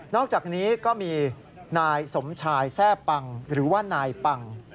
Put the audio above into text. อกจากนี้ก็มีนายสมชายแทร่ปังหรือว่านายปัง